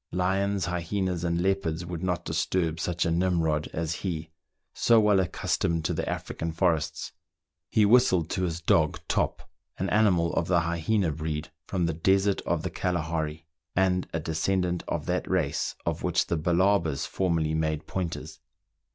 Lions, hyenas, and leopards would not disturb such a Nimrod as he, so well accustomed to the African forests. He whistled to his dog Top, an animal of the hyena breed from the desert of Kalahari, and a descendant of that race of which the Balabas formerly made pointers.